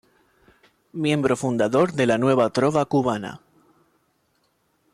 Miembro fundador de la Nueva Trova Cubana.